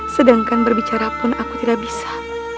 sedangkan berbicara pun aku tidak bisa